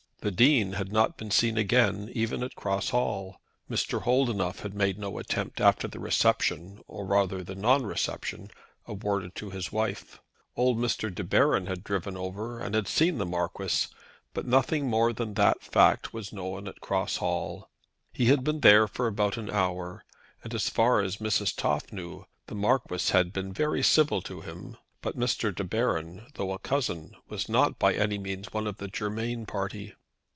The Dean had not been seen again, even at Cross Hall. Mr. Holdenough had made no attempt after the reception, or rather non reception, awarded to his wife. Old Mr. De Baron had driven over, and had seen the Marquis, but nothing more than that fact was known at Cross Hall. He had been there for about an hour, and as far as Mrs. Toff knew, the Marquis had been very civil to him. But Mr. De Baron, though a cousin, was not by any means one of the Germain party.